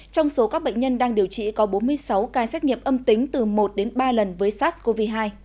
trong số các bệnh nhân đang điều trị có bốn mươi sáu ca xét nghiệm âm tính từ một đến ba lần với sars cov hai